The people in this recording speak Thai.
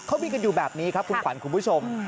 เขามีกันอยู่แบบนี้ครับคุณขวัญคุณผู้ชม